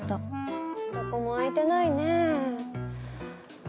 どこも空いてないね。